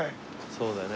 そうだよね。